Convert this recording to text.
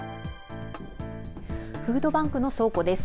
フードバンクの倉庫です。